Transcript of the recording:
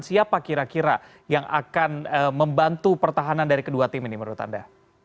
siapa kira kira yang akan membantu pertahanan dari kedua tim ini menurut anda